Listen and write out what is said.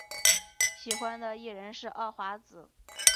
喜欢的艺人是奥华子。